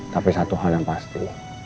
tapi satu hal yang pasti